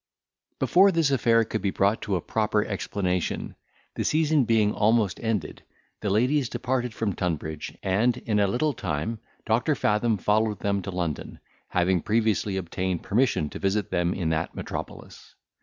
Before this affair could be brought to a proper explanation, the season being almost ended, the ladies departed from Tunbridge, and in a little time Doctor Fathom followed them to London, having previously obtained permission to visit them in that metropolis.